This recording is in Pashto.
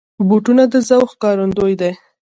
بوټونه د ذوق ښکارندوی دي.